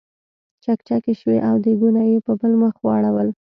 چکچکې شوې او دیګونه یې په بل مخ واړول.